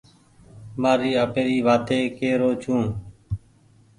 مآري آپيري وآتي ڪي رو ڇون.